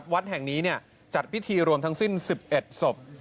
วัดแห่งนี้จัดพิธีรวมทั้งสิ้น๑๑ศพ